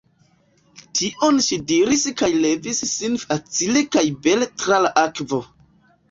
Tion ŝi diris kaj levis sin facile kaj bele tra la akvo.